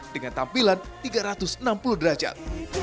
dengan tampilan tiga ratus enam puluh derajat